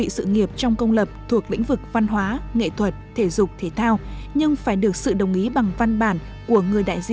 xin chào và hẹn gặp lại